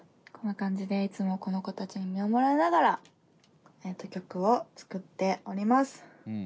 こんな感じでいつもこの子たちに見守られながら曲を作っております。